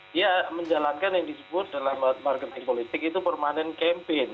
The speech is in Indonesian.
dia menjalankan yang disebut dalam marketing politik itu permanent campaign